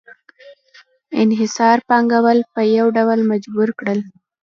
انحصار پانګوال په یو ډول مجبور کړل